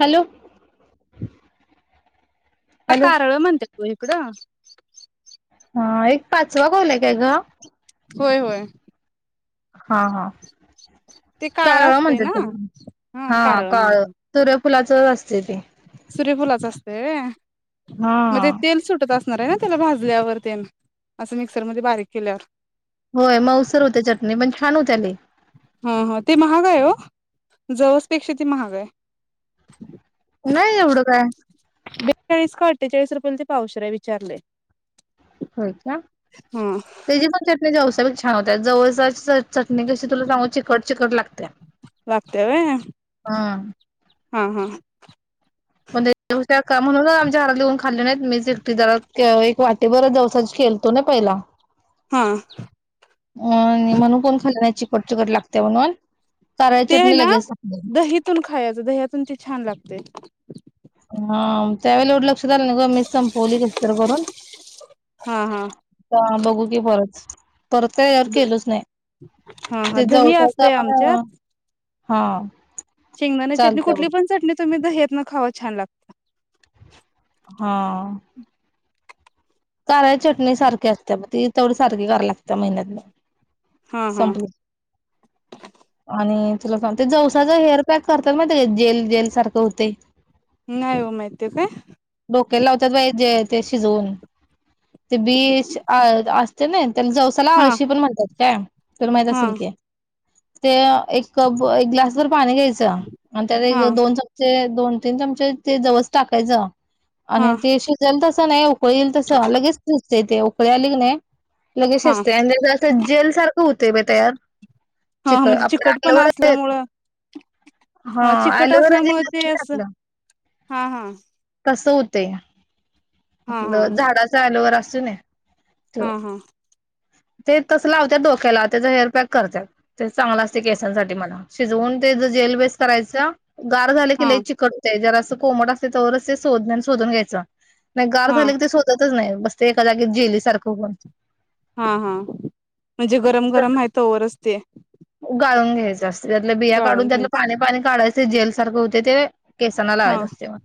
Hello का hello कारळ म्हणतात ओ इकडं हा एक पाचवा कॉल काय ग होय होय हा हा ते काळं कारळ असतंय ना म्हणतात हा कारळ काळ म्हणतात. सुर्यफुलच च असतय ते सूर्यफुलाच असतय होय हा मग ते तेल सुटत अस ले त्याला भाजल्यावर तेन असं मिक्सर मद्ये बारीक केल्यावर होय मऊसर होतया चटणी पण छान होत्या लय हा हा ते महाग आहे हो जवसपेक्षा ते महाग आहे नाही एवढं काय चाळीस का अठ्ठेचाळीस रुपयाल ते पावशर आहे विचारले होय काय तेजी पण चटणी जवसाची छान होत्या जवसाची च चटणी कशी तुला सांगू चिकट चिकट लागत्या होय हा हा हा पण त्याच्यापेक्षा का म्हणून आमच्या घरातली कोण खाल्ली नाही मीच एकटी जरा ना एक वाटी भर जवसाची केलतो ना पहिला हा अ म्हणून कोण खाल नाही चिकट चिकट लागते म्हणून कारळ्याची ते चटणी ना लगेच संपली दहीतून खायचं धयातून ते छान लागते हा त्यावेळी एवढे लक्ष झालं न ग मी संपवली कस तर करून हा हा बघू की परत परत यार केलच नाही हा हा ते दही जावसाच असतंय आपण आमच्यात हा शेंगदाणे चटणी चालतंय बघ कुठली पण चटणी तुम्ही धायतन खावा छान लागत हा कारळ य चटणी सारखी असते मग ती तेवढ सारखी करावी लागत महिन्यात हा हा संपल आणि तुला सांग ते जवसाचा हेअर पॅक करतात मग ते जेल जेल सारखं होते नाही ओ माहित ते काय डोक्याला लावतात बाई ते जे शिजवून ते बीच असते ना त्याला जवसाला हा आळशी पण म्हणतात काय तुला माहित हा असेल की ते एक कप एक ग्लास भर पाणी घ्यायचं. आणि त्यात हा एक दोन चमचे दोन चमचे ते जवस टाकायच हा आणि ते शिजल तस नाही उकळी लगेच शीजते ते उकळे आले की नाही. लगेच हा शिजते आणि त्याच असं जेल सारखं होतय बा तयार. हा चिकन म्हणजे आपलं चिकटपण ॲलोवेरा जेल असल्यामुळं हा चिकट ॲलोवेरा जेल असल्यामुळे ते असतं ना असं आपलं हा हा. ते हा आपल हा झाडाचा आलोवेरा असतोय ना. तो हा हा. ते तस लावत्यात डोक्याला त्याचा हेअरपॅक करत्यात ते चांगल असते केसांसाठी मला शिजवून तेच जेलवेेस करायच. गार झाले की हा लई चिकट होत आहे जर असं कोमट असते तवाचे सोधन्याने सोधून घ्यायच. नाही गार हा झाले की ते शोधतच नाही बस ते एका जागेत जेली सारख होऊन. हा हा म्हणजे गरम गरम आहे तवरच ते गाळून घ्यायच असते त्यातल्या बिया गाळून काढून त्यातल घ्यायच पाणी पाणी काढायच जेल सारख होते ते. केसांना लावायच हा असतेय मग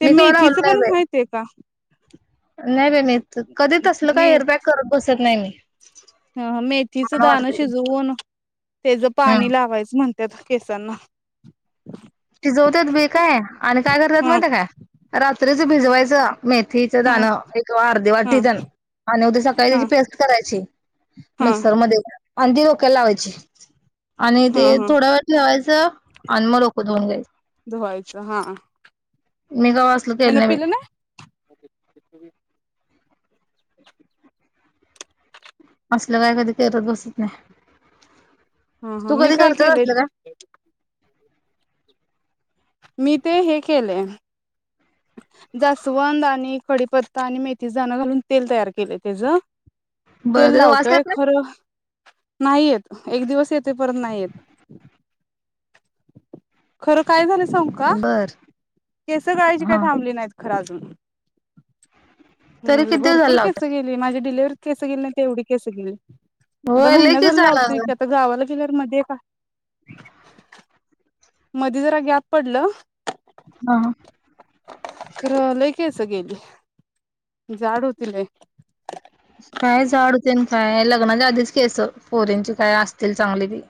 ते मी कवा लावल मेथीचं नाही पण माहितीय का बाई नाही बाई मी कधीच तसल काही हेअरपॅक करत बसत नाही मी. ह ह मेथीचं मला दाण वाटतंय शिजवून तेच हम्म. पाणी लावायच म्हण त्यात केसांना. शिजवत्यात बी काय आणि काय करतात हा माय ते का रात्रीच भिजवायच मेथीच हा दण एक अर्धी हा वाटी तेन आणि उद्या सकाळी हा त्याची पेस्ट करायची. हा मिक्सर मध्ये. अंन ती डोक्याला लावायची आणि हा ते हा थोडा वेळ ठेवायचं अन मग डोकं धूऊन जाईल. धुवायच हा. मी गवासल तेल हेन नाही पिलं भेटत. ना असल काय कधी करत बसत नाय. हा हा तू मी कधी काय करते केलंय असल काय? ते मी ते हे केले. जास्वंद आणि कडीपत्ता आणि मेथीच दान घालून तेल तयार केले त्याच. काय बरं तेल त्याचा वास लावतोय येत खर नाही येत एक दिवस येते परत नाही येत. खर. काय झाल सांगू का नाही बर केस गाळायची काही हा थांबली नाहीत खर अजून. तरी किती दिवस झालं भरपूर केस लावताय गेली माझी डिलेवरीत केस गेली नाही तेवढी केस गेलीत. आता होय लय महिना की झाला लावतोय झालं की आता गावाला आपलं घर मधीये का मधी जरा गॅप पडल. ह ह. तर लई केस गेले जाड होते लई. काय जाड होते ना काय लग्नाच्या आधीच केस पोरींची काय असतील चांगली ती.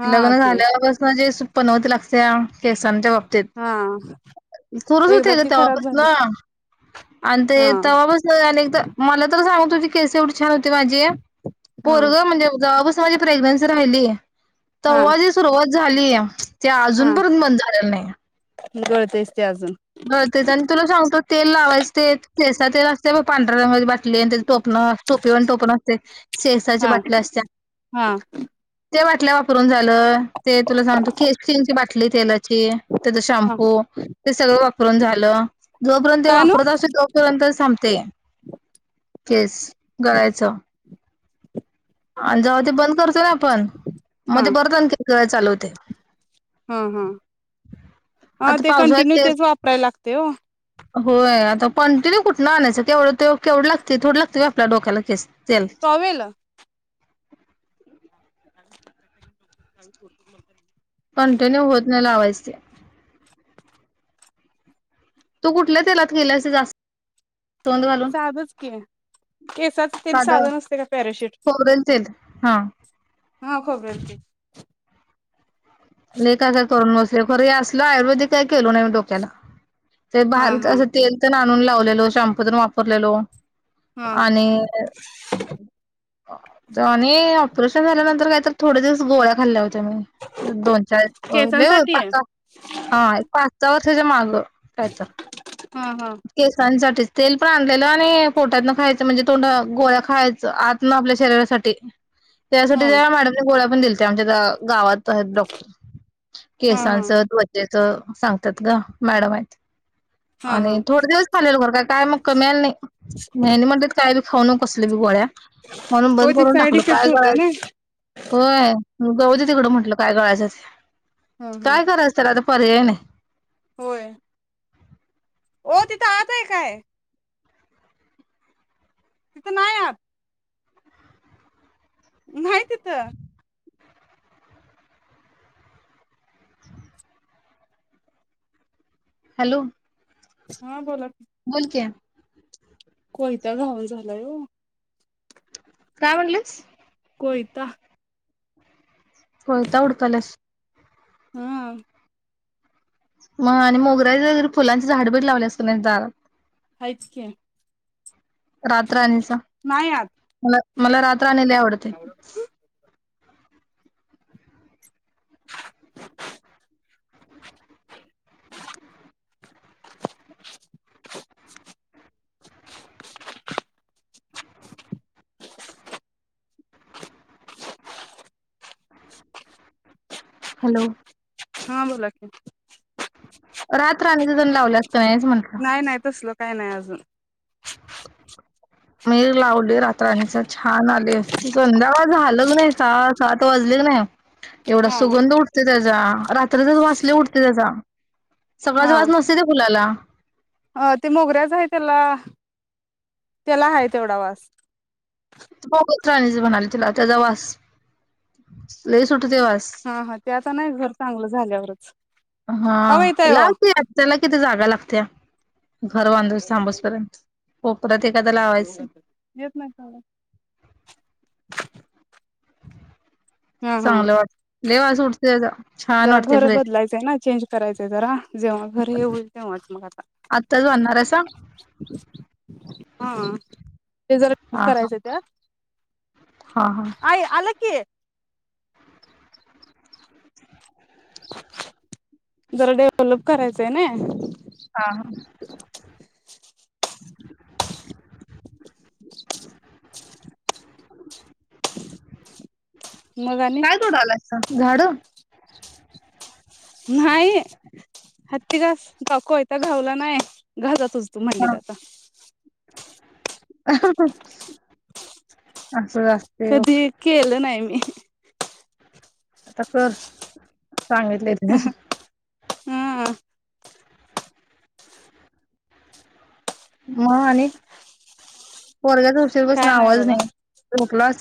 हा लग्न ते झाल्याव बस जे पनवती लागतेया. केसाणाच्या बाबतीत हा सुरुस एकदा होते ग ती तेव्हा खराब झाली पासून. आणि ते हा तेव्हा पासन आणि एकदा मला तर सांगत होती तुझी केस एवढी छान होती. माझी हा पोरग म्हणजे जवा पासन माझी प्रेग्नन्सी राहिली. हा तव्हा जी सुरुवात झालीय ते अजूनपर्यंत बंद झालेल नाही. गळतेच ते अजून. हो तेच आणि तुला सांगतो तेल लावायच सेसा तेल असते पांढऱ्या रंगाची बा ते टोपन टोपी वाल टोपन असते सेसाचे हा बाटल्या असते. हा ते बाटल्या वापरून झाल ते तुला सांगत केश किंग बाटली तेलाची त्याच हा शॅम्पू ते सगळं वापरून झाल. जोपर्यंत ते काय नव्ह वापरत असते तोपर्यंत थांबते केस गळायच आणि जाव ते बंद करतो ना आपण हा मग ते परत आणखी करायला चालवते हम् हम् हा आता ते पावसाळ्यात कंटिन्यू केस तेच वापरायला लागते हो होय आता कंटिन्यू कुठून आणायच केवढ तेव लागते थोड लागते आपल्या डोक्याला केस तेल प्रावेल [unintelligible] कंटिन्यू होत नाहीलावायचे तू कुठल्या तेलात गेला असं जास्त तोंड घालून साधच के केसाच तेल साध साधं नसते का पॅराशूट खोबरेल तेल हा हा खोबरेल तेल काय काय करून बसले खर असल आयुर्वेदिक काय केल नाही मी डोक्याला ते हा बाहेर हा असं तेल तर आणून लावलेलो शॅम्पू तरण वापरलेलो हा आणि ज शन झाल्यानंतर काय तर थोडे दिवस गोळ्या खाल्ल्या होत्या मी दोन चारले केसांसाठी पा आहे हा एक पाचचावा हच्या मागं कायच हा हा इतके सनसाठीच तेल पण आणलेलं आणि पोटातन खायचं म्हणजे तोंड गोळ्या खायचं आत ना आपल्या शरीरासाठी त्यासाठी हा त्या मॅडमने गोळ्या पण दिल्यात आमच्या त्या गावात डॉक्टर हा केसांच हा त्वचेच सांगतात ग मॅडम आहेत हा हा खलेलं घरं काय मग कमीयला नाही म्हणतत काय बी खाऊ न कसल्या बी गोळ्या म्हणून हो बंद ते करून साईड टाकलं इफेक्ट काय होतय ना करायचं होय गवती तिकडं म्हटलं काय कळायचं हा ते हा काय करायचं तर आता पर्याय नाही होय हो तिथं आताय काय तिथं नाही या माहती तर हॅलो हा बोला बोलक कोयता घाऊल झालाय हो काय म्हणलंस कोता होयता उडतलस हम म आणि मोगरा्याचे फुलांचे झाड ब लावले असत नाही दारात हच क्याय रात्रण्याचा नाही आत मला मला रात्रनेला आवडते हॅलो हा बोला की रात राण्याचा जण लावला नाही नाही तसलो काही नाही अजून मी लावली रात्रनीच छान आले संध्याकाळ झाल क नाही सहा सात वाजले क नाही एवढा हा सुगंध उठते त्याचा रात्रचच वाचले उठते त्याचा सकाळज हा वाच नसते ते फुलाला अ ते मोगऱ्याच आहे त्याला त्याला ह तेवढा वास बघच राणीचे म्हणाली तिला त्याचा वास ल सुट हा हा ते आता नाही घर चांगलं झाल्यावरच हा अव येत आहे हो लावते या त्याला किती जागा लागत्या घर बांधू सांबसपर्यंत हो परत येत नाही का हा हा चांगलं वाट लेवास उठते छान जरा वाटते घर फ्रेश बदलायचंय ना चेंज करायचं जरा जेव्हा घर ये होईल तेव्हाच मग आ आताच वणार आहे स हा ते जरा हा करायचं त्या हा हा आई आलं की जरा डेव्हलप करायचंय ना हा हा मग आणि काय तोड आला असत झाड नाही हत्ती घास कोयता घावला नाही घास सुच तू म्हणलीित आता असं वास्ते कधी केलं नाही मी आता कर सांगितले हम्म मग आणि वरग्याच उशीर बसून आवाज नाही झोकला अस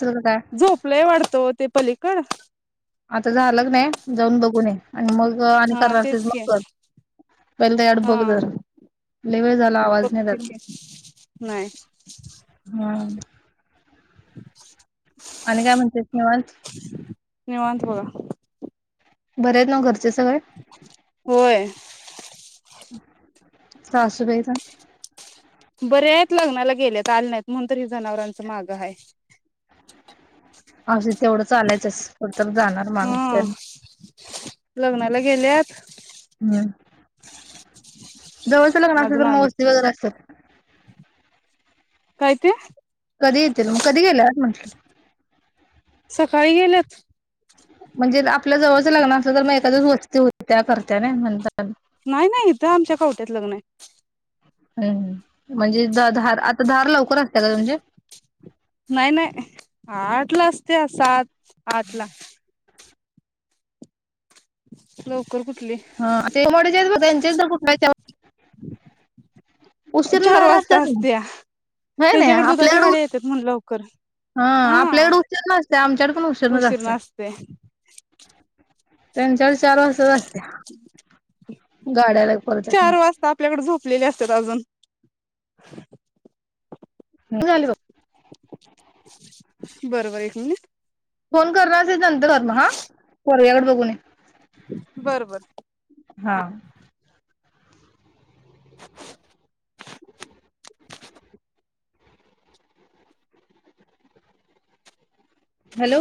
झोपलाय वाढतो ते पलीकड आता झालं नाही जाऊन बघून ये आणि मग आणि हा तेच करणारथच मग की कर पहिले तर अड बघ हा जर ल वेळ झाला आवाज नाही बघते द की नाही हा आणि काय म्हणते निवास निवांत बघा बरेच ना घरच होय सासपई स बरे आहेत लग्नाला गेले आल नाहीत म्हणून तर हे जनावरांच माग आहे असे तेवढं चालायचं तर तर जाणार माणूस हा तर लग्नाला गेल्यात हम् जवळच लग्न असत अजून तर मग आले वस्ती वगैरे असतात काय ते कधी येतील मग कधी गेले म्हटलं सकाळी गेल्यात म्हणजे आपल्या जवळचं लग्न असलं तर मग एखका दिवस वस्ती हो त्या करत्या ना म्हणता नाही नाही इथं आमच्या कवट्यात लग्न आहे हम्म म्हणजे द धार आता धार लवकर असते का म्हणजे नाही नाही आठ ला असते सात आठ ला लवकर कुठली त्यां कुठ चार धारा वाजता असतात ना असत्या हाय त्यांच्याकडे दुधाच्या गाड्या येतात म्हण लवकर हं हा आपल्याकडे उशरण असत आमच्याकड पण उशीरणच उशीर असत्या नसते त्यांच्यावर चार वाज असते गाड्याला परतात लेले असतात अजून क झाले ग बरोबर एक म्हण फोन करणार असे नंत कर म हा कोरयाकड बघून बरोबर हा हॅलो